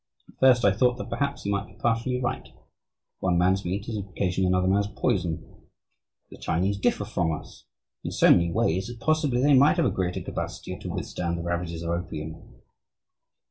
At first I thought that perhaps he might be partially right. One man's meat is occasionally another man's poison. The Chinese differ from us in so many ways that possibly they might have a greater capacity to withstand the ravages of opium.